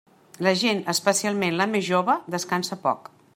La gent, especialment la més jove, descansa poc.